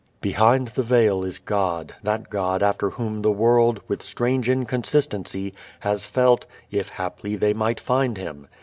Behind the veil is God, that God after Whom the world, with strange inconsistency, has felt, "if haply they might find Him."